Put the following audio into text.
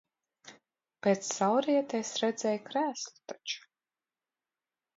Pēc saulrieta es redzēju krēslu taču.